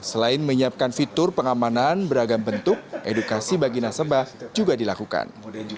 selain menyiapkan fitur pengamanan beragam bentuk edukasi bagi nasabah juga dilakukan